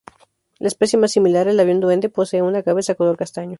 La especie más similar, el avión duende, posee una cabeza color castaño.